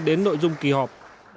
đến nội dung kỳ họp